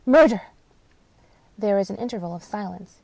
Murder !" There is an interval of silence.